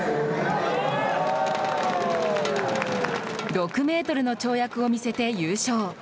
６メートルの跳躍を見せて優勝。